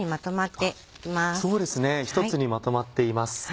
そうですね一つにまとまっています。